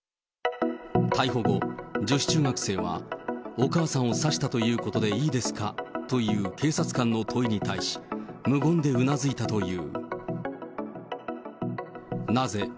逮捕後、女子中学生はお母さんを刺したということでいいですか？という警察官の問いに対し、無言でうなずいたという。